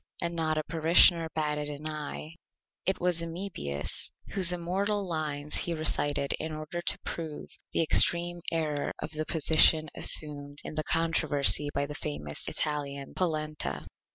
And not a Parishioner batted an Eye. It was Amebius whose Immortal Lines he recited in order to prove the Extreme Error of the Position assumed in the Controversy by the Famous Italian, Polenta.